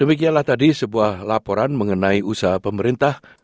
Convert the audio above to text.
demikianlah tadi sebuah laporan mengenai usaha pemerintah